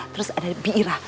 terus ada biira